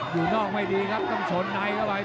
อยู่นอกไม่ดีครับต้องสนในเข้าไป